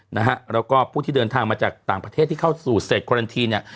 นะฮะแล้วก็ผู้ที่เดินทางมาจากต่างประเทศที่เข้าสู่เศษโครันทีเนี่ย